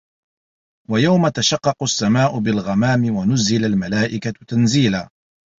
وَيَومَ تَشَقَّقُ السَّماءُ بِالغَمامِ وَنُزِّلَ المَلائِكَةُ تَنزيلًا